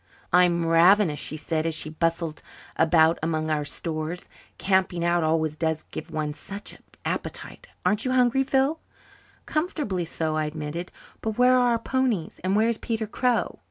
"I'm ravenous," she said, as she bustled about among our stores. "Camping out always does give one such an appetite. Aren't you hungry, Phil?" "Comfortably so," I admitted. "But where are our ponies? And where is Peter Crow?"